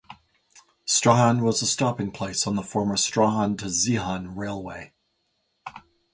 Strahan was a stopping place on the former Strahan to Zeehan railway.